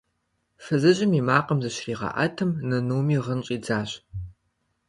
Фызыжьым и макъым зыщригъэӀэтым, нынуми гъын щӀидзащ.